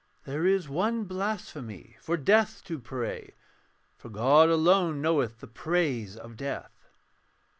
There is one blasphemy: for death to pray, For God alone knoweth the praise of death.